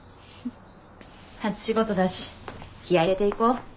初仕事だし気合い入れていこ。